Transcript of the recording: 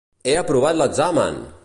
He aprovat l'examen!